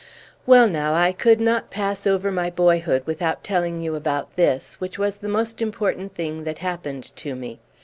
Well now, I could not pass over my boyhood without telling you about this, which was the most important thing that happened to me.